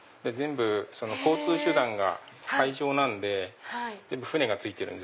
交通手段が海上なんで全部船がついてるんですよ。